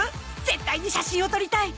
絶対に写真を撮りたい！